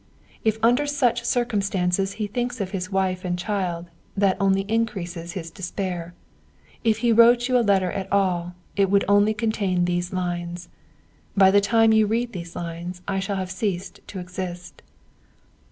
If under such circumstances he thinks of his wife and child, that only increases his despair. If he wrote you a letter at all, it would only contain these lines: "By the time you read these lines I shall have ceased to exist."'